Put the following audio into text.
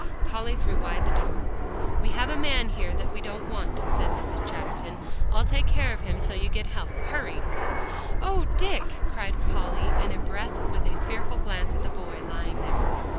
Polly threw wide the door. "We have a man here that we don't want," said Mrs. Chatterton. "I'll take care of him till you get help. Hurry!" "Oh, Dick!" cried Polly in a breath, with a fearful glance at the boy lying there.